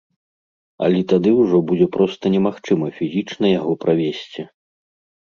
Але тады ўжо будзе проста немагчыма фізічна яго правесці.